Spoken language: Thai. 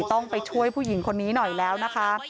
ต้องไปช่วยผู้หญิงคนนี้หน่อยแล้วนะคะ